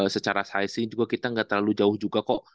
secara ukuran juga kita gak terlalu jauh juga kok